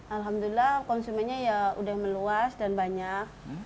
alhamdulillah konsumennya ya udah meluas dan banyak